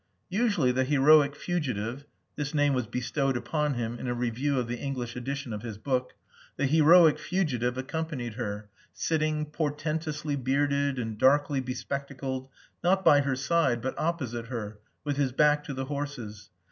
Usually the "heroic fugitive" (this name was bestowed upon him in a review of the English edition of his book) the "heroic fugitive" accompanied her, sitting, portentously bearded and darkly bespectacled, not by her side, but opposite her, with his back to the horses.